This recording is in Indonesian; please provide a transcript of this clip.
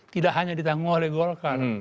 tidak hanya ditanggung oleh golkar